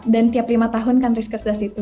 dan tiap lima tahun kan risk as does itu